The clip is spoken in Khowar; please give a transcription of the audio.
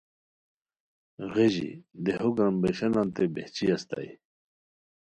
غیژی دیہو گرامبیشاناتے بہچی استائے